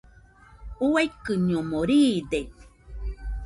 Uaikɨñomo riide.